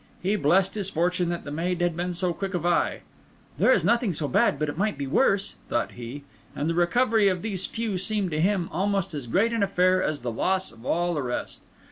He blessed his fortune that the maid had been so quick of eye; "there is nothing so bad but it might be worse," thought he; and the recovery of these few seemed to him almost as great an affair as the loss of all the rest.